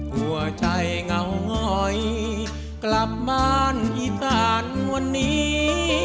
หัวใจเงาหงอยกลับบ้านอีสานวันนี้